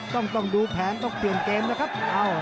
ต้องดูแผนต้องเปลี่ยนเกมนะครับเอ้าดักแผน